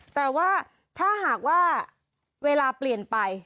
แต่ว่าถ้าหากว่าเวลาเปลี่ยนไป